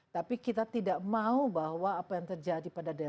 tapi kita tidak mau bahwa apa yang terjadi pada daerah